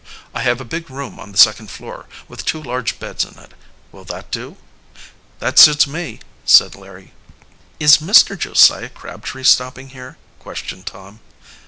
I have a big room on the second floor, with two large beds in it. Will that do?" "That suits me," said Larry. "Is Mr. Josiah Crabtree stopping here?" questioned Tom.